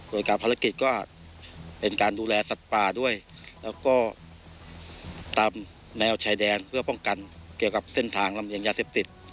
โดยการภารกิจก็เป็นการดูแลสัตว์ป่าด้วยแล้วก็ตามแนวชายแดนเพื่อป้องกันเกี่ยวกับเส้นทางลำเลียงยาเสพติด